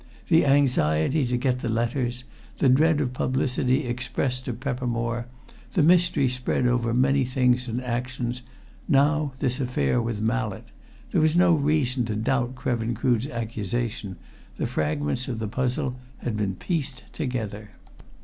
The anxiety to get the letters; the dread of publicity expressed to Peppermore; the mystery spread over many things and actions; now this affair with Mallett there was no reason to doubt Krevin Crood's accusation. The fragments of the puzzle had been pieced together.